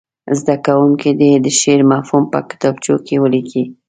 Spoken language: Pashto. زده کوونکي دې د شعر مفهوم په کتابچو کې ولیکي.